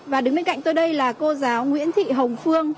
và đứng bên cạnh tôi đây là cô giáo nguyễn thị hồng phương